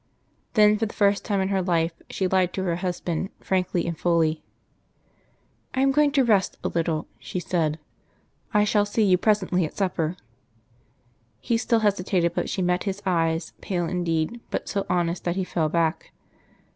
Then, for the first time in her life, she lied to her husband frankly and fully. "I am going to rest a little," she said. "I shall see you presently at supper." He still hesitated, but she met his eyes, pale indeed, but so honest that he fell back.